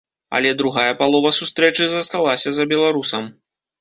Але другая палова сустрэчы засталася за беларусам.